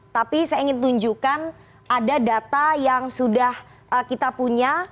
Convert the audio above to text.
tapi saya ingin tunjukkan ada data yang sudah kita punya